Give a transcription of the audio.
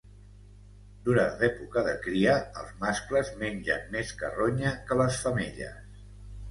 Durant l'època de cria, els mascles mengen més carronya que les femelles.